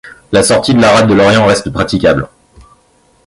La sortie de la rade de Lorient reste praticable.